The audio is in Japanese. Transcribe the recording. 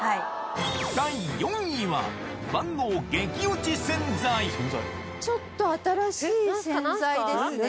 第４位は、万能、ちょっと新しい洗剤ですね。